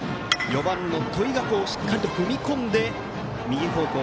４番の戸井がしっかり踏み込んで右方向。